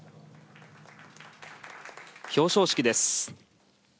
表彰式です。